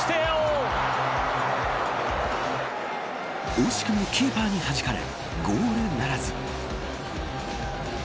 惜しくもキーパーにはじかれゴールならず。